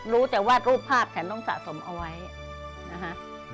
รู้แต่ว่ารูปภาพฉันต้องสะสมเอาไว้นะคะ